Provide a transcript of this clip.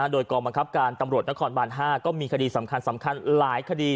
โดยกองบังคับการตำรวจนครบาน๕ก็มีคดีสำคัญหลายคดี